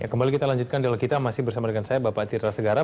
kembali kita lanjutkan dialog kita masih bersama dengan saya bapak tirta segara